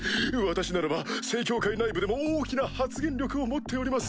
私ならば聖教会内部でも大きな発言力を持っております。